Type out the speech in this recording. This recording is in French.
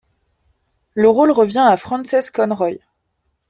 Le rôle revient à Frances Conroy.